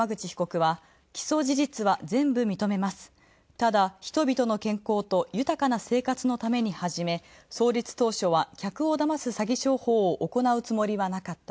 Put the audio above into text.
ただ人々の健康と豊かな生活のために始め、創立当初は客をだます詐欺商法を行うつもりはなかった。